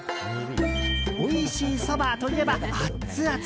おいしいそばといえば、アツアツ。